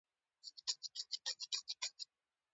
لمده او رسېدلې خمېره د نالبکي په ډول ګرد اوارېږي په پښتو کې.